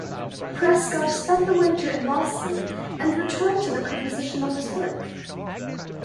Prescott spent the winter in Boston, and returned to the composition of his work.